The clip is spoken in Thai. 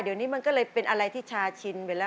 เดี๋ยวนี้มันก็เลยเป็นอะไรที่ชาชินไปแล้ว